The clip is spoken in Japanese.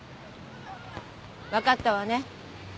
わかったわね？